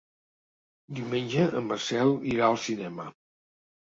Diumenge en Marcel irà al cinema.